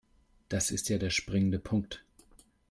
Das ist ja der springende Punkt.